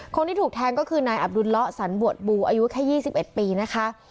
คนที่ถูกแทงก็คือนายอับดุลละสันบวชบูอายุแค่๒๑ปีนะคะ